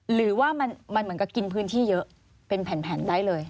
หรือว่ามันเหมือนกับกินพื้นที่เยอะเป็นแผ่นได้เลย